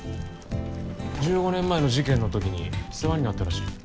１５年前の事件の時に世話になったらしい。